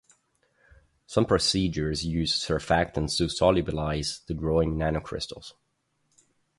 Some procedures use surfactants to solubilize the growing nanocrystals.